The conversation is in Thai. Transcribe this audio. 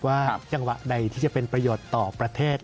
จังหวะใดที่จะเป็นประโยชน์ต่อประเทศ